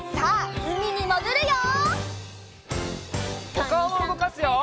おかおもうごかすよ！